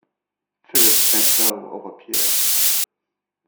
Philip bent low over Pierre.